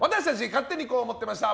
勝手にこう思ってました！